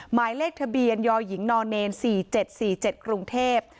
หมายเลขทะเบียนยหญิงน๔๗๔๗กรุงเทพฯ